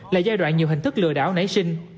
là giai đoạn nhiều hình thức lừa đảo nảy sinh